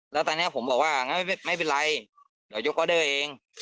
แล้วตอนนี้ผมบอกว่างั้นไม่เป็นไรเดี๋ยวยกออเดอร์เอง